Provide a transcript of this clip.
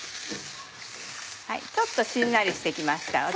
ちょっとしんなりして来ました。